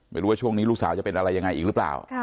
ไม่รู้ว่าช่วงนี้ลูกสาวจะเป็นอะไรยังไงอีกหรือเปล่า